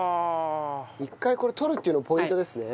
一回これ取るっていうのポイントですね。